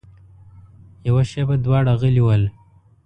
يوه شېبه دواړه غلي ول.